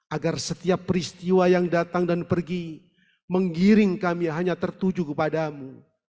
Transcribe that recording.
agar setiap peristiwa yang datang dan pergi menggiring kami hanya tertuju kepadamu